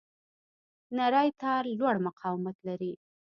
نری تار لوړ مقاومت لري.